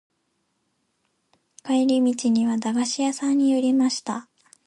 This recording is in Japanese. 帰り道には駄菓子屋さんに寄りました。